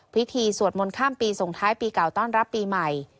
สวดมนต์ข้ามปีส่งท้ายปีเก่าต้อนรับปีใหม่